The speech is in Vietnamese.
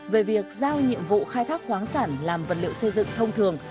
về việc giao nhiệm vụ khai thác khoáng sản làm vật liệu xây dựng thông thường